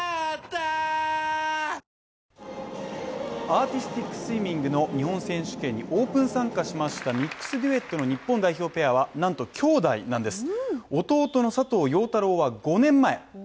ＪＴアーティスティックスイミングの日本選手権にオープン参加しましたミックスデュエットの日本代表ペアは、なんときょうだいなんです